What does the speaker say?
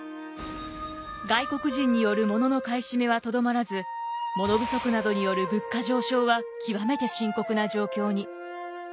外国人によるモノの買い占めはとどまらずモノ不足などによる物価上昇は極めて深刻な状況に。